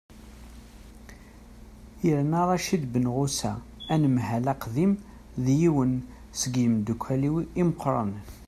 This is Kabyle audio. yernu racid benɣusa anemhal aqdim d yiwen seg yimeddukkal-iw imeqqranen